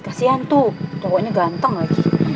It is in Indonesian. kasian tuh pokoknya ganteng lagi